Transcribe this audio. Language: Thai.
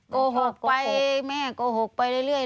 โกหกไปแม่โกหกไปเรื่อย